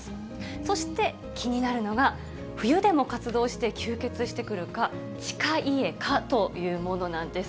そして、気になるのが冬でも活動して吸血してくる蚊、チカイエカというものなんです。